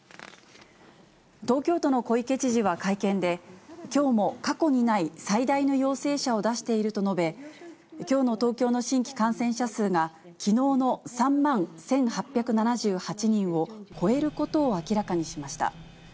東京都の小池知事は会見で、きょうも過去にない最大の陽性者を出していると述べ、きょうの東京の新規感染者数がきのうの３万１８７８人を超えることを明らかにしました。